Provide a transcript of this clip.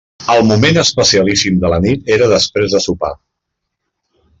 El moment especialíssim de la nit era després de sopar.